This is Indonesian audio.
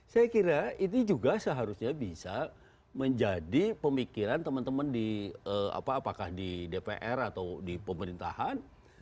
saya kira ini juga seharusnya bisa menjadi pemikiran teman teman di dpr atau di pemerintahan